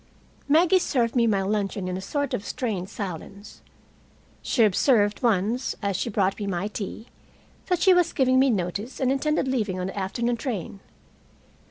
Maggie served me my luncheon in a sort of strained silence. She observed once, as she brought me my tea, that she was giving me notice and intended leaving on the afternoon train.